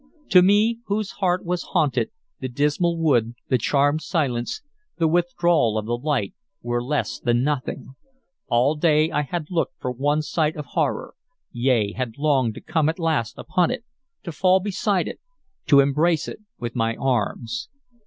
To me, whose heart was haunted, the dismal wood, the charmed silence, the withdrawal of the light, were less than nothing. All day I had looked for one sight of horror; yea, had longed to come at last upon it, to fall beside it, to embrace it with my arms.